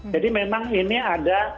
jadi memang ini ada